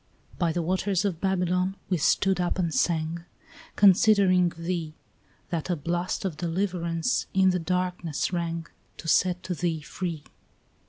By the waters of Babylon we stood up and sang, Considering thee, That a blast of deliverance in the darkness rang, To set thee free.